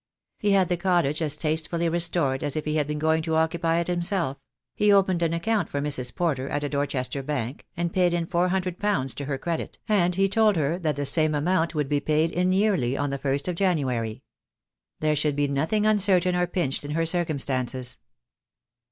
He had the cottage as tastefully restored as if he had been going to occupy it himself; he opened an account for Mrs. Porter at a Dorchester Bank, and paid in four hundred pounds to her credit, and he told her that the same amount would be paid in yearly on the i st of January. There should be nothing uncertain or pinched in her circumstances.